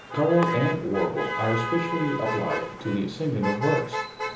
Carol and warble are especially applied to the singing of birds.